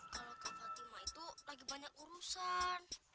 kalau ke fatima itu lagi banyak urusan